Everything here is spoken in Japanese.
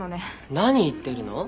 何言ってるの？